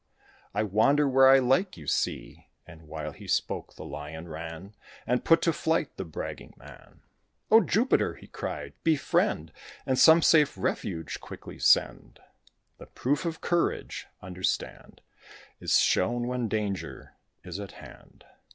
I wander where I like, you see." And, while he spoke, the Lion ran And put to flight the bragging man. "O Jupiter!" he cried, "befriend, And some safe refuge quickly send!" The proof of courage, understand, Is shown when danger is at hand.